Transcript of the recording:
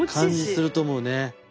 感じすると思うね。